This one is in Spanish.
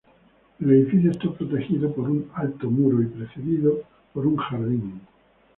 El edificio está protegido por un alto muro, y precedido por un jardín.